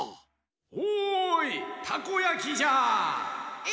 おいたこやきじゃ！え？